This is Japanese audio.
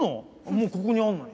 もうここにあるのに。